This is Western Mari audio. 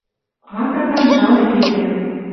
Акат анжал ик векӓт